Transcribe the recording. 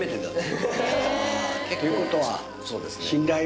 ということは。